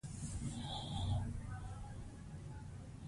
ملالۍ بیرغ په منګولو اخیستی دی.